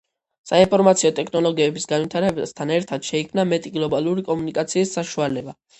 საინფორმაციო ტექნოლოგიების განვითარებასთან ერთად შეიქმნა მეტი გლობალური კომუნიკაციის საშუალება.